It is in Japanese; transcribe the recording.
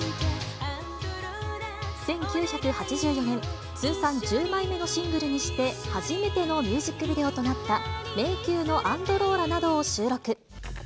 １９８４年、通算１０枚目のシングルにして、初めてのミュージックビデオとなった迷宮のアンドローラなどを収録。